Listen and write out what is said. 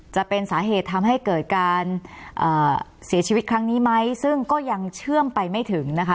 จะเป็นสาเหตุทำให้เกิดการเสียชีวิตครั้งนี้ไหมซึ่งก็ยังเชื่อมไปไม่ถึงนะคะ